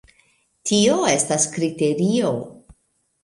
Tio estas kriterio!